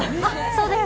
そうです！